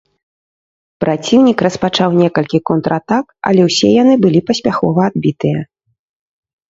Праціўнік распачаў некалькі контратак, але ўсе яны былі паспяхова адбітыя.